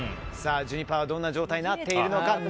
ジュニパーはどんな状態になっているのか。